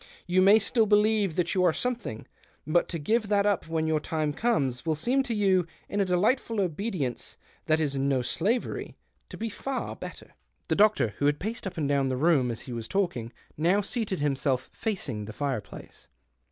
You nay still believe that you are something ; )ut to give that up when your time comes vill seem to you — in a delightful obedience hat is no slavery — to be far better." The doctor, who had paced up and down lie room as he was talking, now seated him self, facing the fireplace.